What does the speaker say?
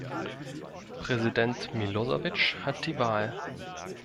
Präsident Milosevic hat die Wahl.